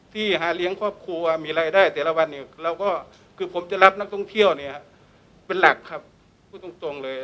หาเลี้ยงครอบครัวมีรายได้แต่ละวันเนี่ยเราก็คือผมจะรับนักท่องเที่ยวเนี่ยเป็นหลักครับพูดตรงเลย